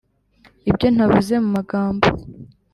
ibyo ntavuze mu magambo